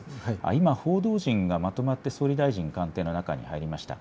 今、報道陣がまとまって総理大臣官邸の中に入りました。